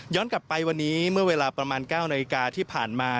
กลับไปวันนี้เมื่อเวลาประมาณ๙นาฬิกาที่ผ่านมา